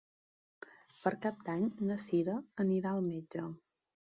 Per Cap d'Any na Sira anirà al metge.